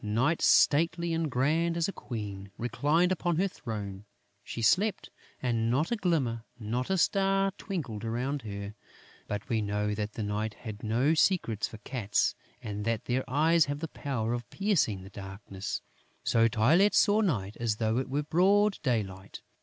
Night, stately and grand as a Queen, reclined upon her throne; she slept; and not a glimmer, not a star twinkled around her. But we know that the night has no secrets for cats and that their eyes have the power of piercing the darkness. So Tylette saw Night as though it were broad daylight.